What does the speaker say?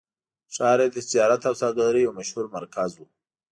ښار یې د تجارت او سوداګرۍ یو مشهور مرکز و.